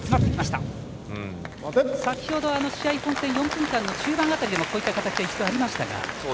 先ほど、試合本戦の中盤辺りでもこういった形が一度ありましたが。